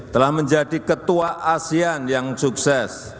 telah menjadi ketua asean yang sukses